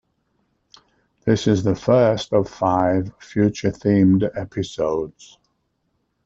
This is the first of five future-themed episodes.